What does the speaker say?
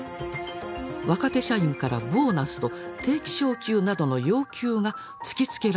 若手社員からボーナスと定期昇給などの要求が突きつけられたのです。